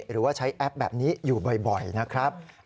หรือว่าใช้แอปแบบนี้อยู่บ่อยนะครับ